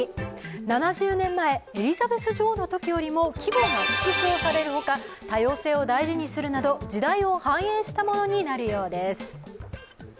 ７０年前、エリザベス女王のときよりも規模が縮小されるほか多様性を大事にするなど時代を反映したものになるようです。